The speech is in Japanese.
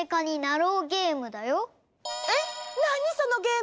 なにそのゲーム？